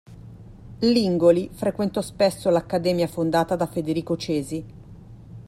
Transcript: L'Ingoli frequentò spesso l'Accademia fondata da Federico Cesi.